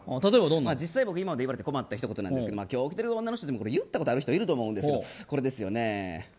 実際僕今まで言われて困ったひと言ですが、今日来てる女の人でも言ったことある人いると思うんですけど。